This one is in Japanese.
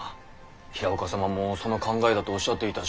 平岡様もその考えだとおっしゃっていたし。